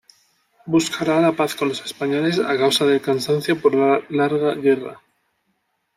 Buscará la paz con los españoles a causa del cansancio por la larga guerra.